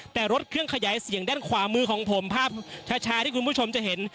แต่รถเครื่องขยายเสียงด้านขวามือของผมภาพชาที่คุณผู้ชมจะเห็น